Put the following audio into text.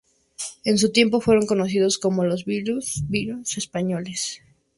En su tiempo fueron conocidos como los Beatles españoles.